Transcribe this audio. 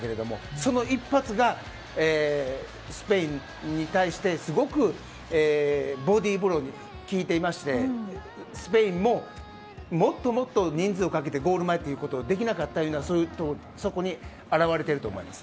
その一発がスペインに対してすごくボディーブローのように効いていましてスペインももっと人数をかけてゴール前をというふうにできなかったことがそこに現れていると思います。